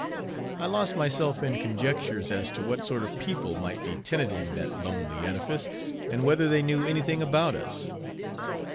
I lost myself in conjectures as to what sort of people might be tenanting that lonely edifice, and whether they knew any thing about us.